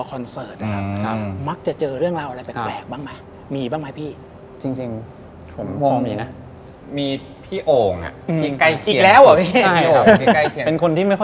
ขอจะจับคู่กันนอน